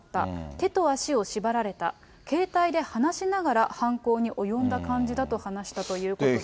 手と足を縛られた、携帯で話しながら犯行に及んだ感じだと話したということです。